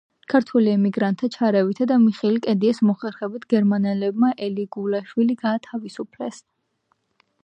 ქართველ ემიგრანტთა ჩარევითა და მიხეილ კედიას მოხერხებულობით, გერმანელებმა ელიგულაშვილი გაათავისუფლეს.